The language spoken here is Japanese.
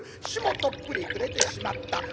日もとっぷり暮れてしまった。